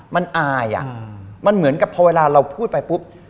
มันอายมันเหมือนกับพอเวลาเราพูดไปปุ๊บ